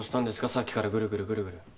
さっきからぐるぐるぐるぐる。